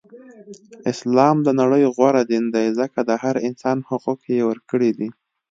اسلام د نړی غوره دین دی ځکه د هر انسان حقوق یی ورکړی دی.